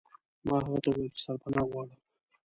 ما هغه ته وویل چې سرپناه غواړم.